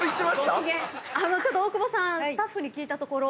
大久保さんスタッフに聞いたところ。